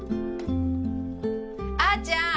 あーちゃん！